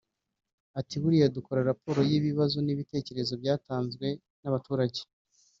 Ati “Buriya dukora raporo y’ibibazo n’ibitekerezo byatanzwe n’abaturage